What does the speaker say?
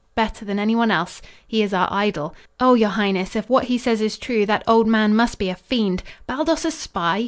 "Better than anyone else. He is our idol. Oh, your highness, if what he says is true that old man must be a fiend. Baldos a spy!